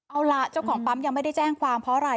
เอาล่ะเจ้าของปั๊มยังไม่ได้แจ้งความเพราะอะไร